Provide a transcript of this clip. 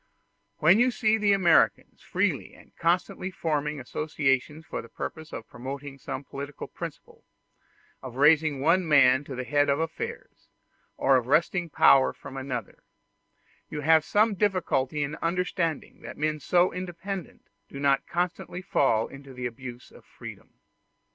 When you see the Americans freely and constantly forming associations for the purpose of promoting some political principle, of raising one man to the head of affairs, or of wresting power from another, you have some difficulty in understanding that men so independent do not constantly fall into the abuse of freedom.